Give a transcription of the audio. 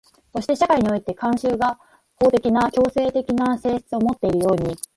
そして社会における慣習が法的な強制的な性質をもっているように、